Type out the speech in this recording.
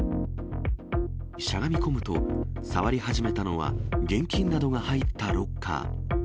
しゃがみ込むと、触り始めたのは、現金などが入ったロッカー。